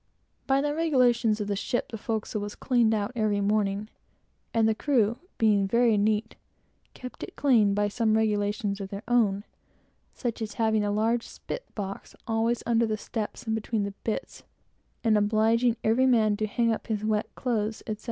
By the regulations of the ship, the forecastle was cleaned out every morning, and the crew, being very neat, kept it clean by some regulations of their own, such as having a large spitbox always under the steps and between the bits, and obliging every man to hang up his wet clothes, etc.